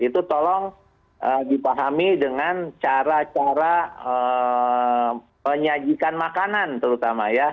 itu tolong dipahami dengan cara cara penyajikan makanan terutama ya